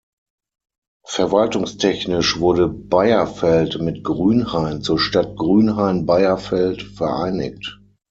Verwaltungstechnisch wurde Beierfeld mit Grünhain zur Stadt Grünhain-Beierfeld vereinigt.